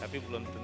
tapi belum tentu